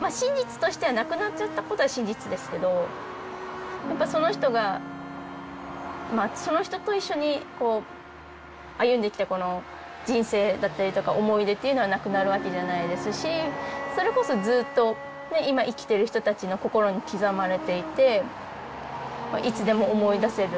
まあ真実としては亡くなっちゃったことは真実ですけどやっぱその人がその人と一緒に歩んできた人生だったりとか思い出というのはなくなるわけじゃないですしそれこそずっと今生きてる人たちの心に刻まれていていつでも思い出せる。